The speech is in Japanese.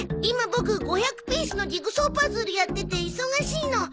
今ボク５００ピースのジグソーパズルやってて忙しいの。